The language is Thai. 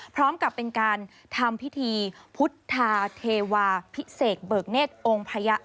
พร้อมกับเป็นการทำพิธีพุทธาเทวาพิเศษเบิกเนธองค์พยะ